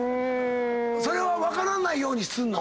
それは分からないようにすんの？